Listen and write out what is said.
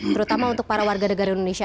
terutama untuk para warga negara indonesia